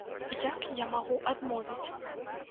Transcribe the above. Як я магу адмовіць?